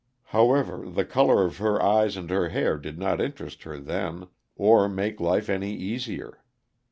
However, the color of her eyes and her hair did not interest her then, or make life any easier.